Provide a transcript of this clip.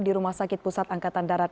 di rumah sakit pusat angkatan darat